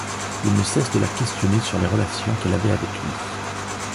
Il ne cesse de la questionner sur les relations qu’elle avait avec lui.